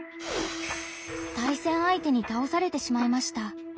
対戦相手に倒されてしまいました。